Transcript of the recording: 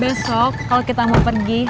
besok kalau kita mau pergi